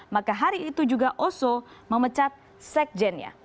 maka hari itu juga oso memecat sekjennya